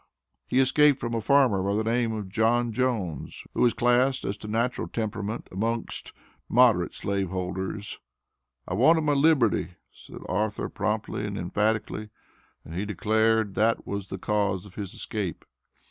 He escaped from a farmer, by the name of John Jones, who was classed, as to natural temperament, amongst "moderate slave holders." "I wanted my liberty," said Arthur promptly and emphatically, and he declared that was the cause of his escape.